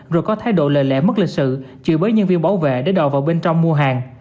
rồi có thái độ lệ lẽ mất lịch sự chịu bới nhân viên bảo vệ để đòi vào bên trong mua hàng